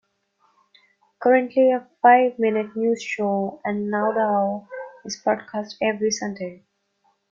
Currently a five-minute news show, An Nowodhow, is broadcast every Sunday.